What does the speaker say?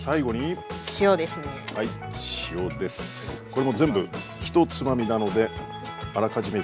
これも全部１つまみなのであらかじめ１